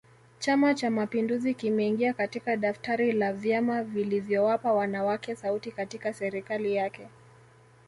Chama Cha mapinduzi kimeingia katika daftari la vyama vilivyowapa wanawake sauti katika serikali yake